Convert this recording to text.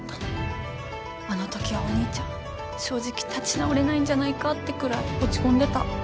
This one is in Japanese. あのときはお兄ちゃん正直立ち直れないんじゃないかってくらい落ち込んでた。